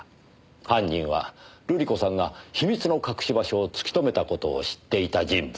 犯人は瑠璃子さんが秘密の隠し場所を突き止めた事を知っていた人物。